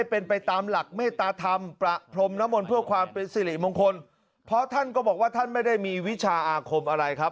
เพราะท่านก็บอกว่าท่านไม่ได้มีวิชาอาคมอะไรครับ